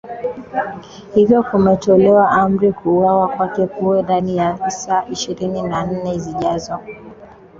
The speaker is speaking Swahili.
Hivyo kumetolewa amri kuuawa kwake kuwe ndani ya saa ishirini na nne zijazo